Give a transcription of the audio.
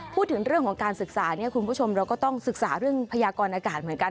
พูดถึงเรื่องของการศึกษาเนี่ยคุณผู้ชมเราก็ต้องศึกษาเรื่องพยากรอากาศเหมือนกัน